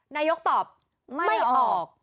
นายกตอบไม่ออก